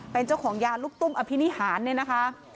เป็นเจ้าของยาลูกตุ้มอภินิหารเนี่ยนะคะ